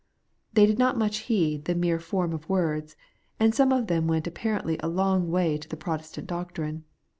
They did not much heed the mere form of words, and some of them went apparently a long way to the Protestant doctrine.